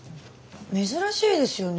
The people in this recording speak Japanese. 珍しいですよね